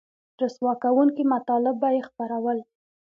رسوا کوونکي مطالب به یې خپرول